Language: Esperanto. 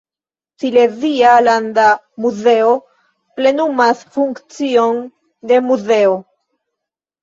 Silezia landa muzeo plenumas funkcion de muzeo.